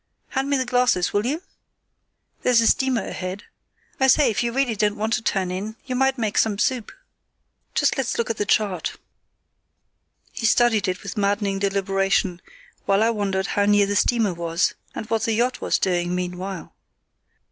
Hand me the glasses, will you? There's a steamer ahead. I say, if you really don't want to turn in, you might make some soup. Just let's look at the chart." He studied it with maddening deliberation, while I wondered how near the steamer was, and what the yacht was doing meanwhile.